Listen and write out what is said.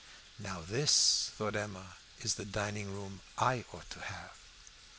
"Now this," thought Emma, "is the dining room I ought to have."